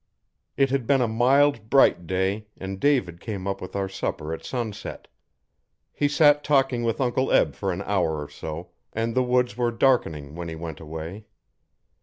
It had been a mild, bright day, and David came up with our supper at sunset. He sat talking with Uncle Eb for an hour or so, and the woods were darkling when he went away.